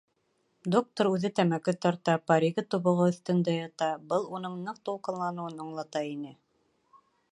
Доктор үҙе тәмәке тарта, паригы тубығы өҫтөндә ята, был уның ныҡ тулҡынланыуын аңлата ине.